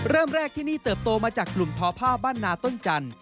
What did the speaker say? เริ่มแรกที่นี่เติบโตมาจากกลุ่มทอผ้าบ้านนาต้นจันทร์